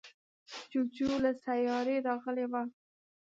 جوجو له سیارې راغلی و.